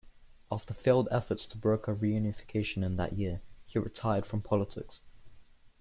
After failed efforts to broker reunification in that year, he retired from politics.